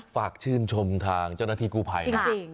ฝากชื่นชมทางเจ้าหน้าที่กู้ภัยนะ